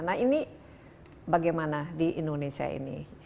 nah ini bagaimana di indonesia ini